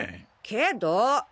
けど！